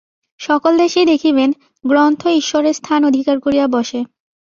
সকল দেশেই দেখিবেন, গ্রন্থ ঈশ্বরের স্থান অধিকার করিয়া বসে।